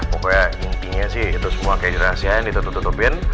pokoknya intinya sih itu semua kayak dirahasiain ditutup tutupin